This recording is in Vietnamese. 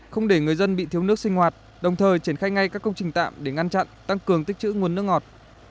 không để người dân bị thiếu nước sinh hoạt đồng thời triển khai ngay các công trình tạm để ngăn chặn tăng cường tích chữ nguồn nước ngọt